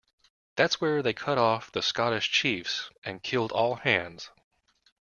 That's where they cut off the Scottish Chiefs and killed all hands.